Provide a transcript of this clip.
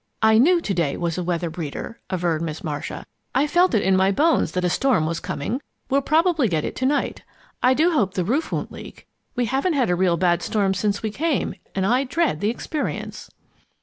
"I knew to day was a weather breeder," averred Miss Marcia. "I felt in my bones that a storm was coming. We'll probably get it to night. I do hope the roof won't leak. We haven't had a real bad storm since we came, and I dread the experience."